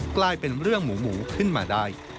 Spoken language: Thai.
กลายเป็นเรื่องหมูหมูขึ้นมาได้